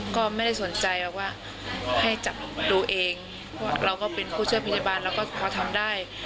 ก็ไม่ได้สนใจหรอกว่าให้จับดูเองเราก็เป็นผู้ช่วยพยาบาลเราก็พอทำได้